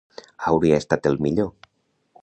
Hauria estat el millor.